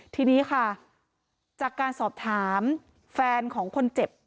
ทีนี้ค่ะจากการสอบถามแฟนของคนเจ็บ